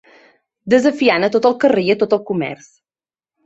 Desafiant a tot el carrer i a tot el comerç